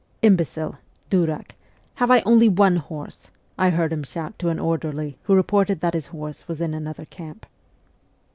' Imbecile (durdk) , have I only one horse ?' I heard him shout to an orderly who reported that his horse was in another camp.